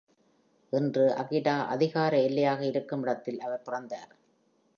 இன்று அகிடா அதிகார எல்லையாக இருக்கும் இடத்தில் அவர் பிறந்தார்.